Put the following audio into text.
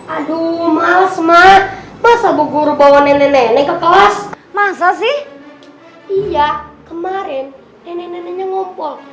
aduh males mak masa bu guru bawa nenek nenek ke kelas masa sih iya kemarin nenek neneknya ngompor